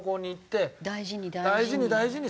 大事に大事に。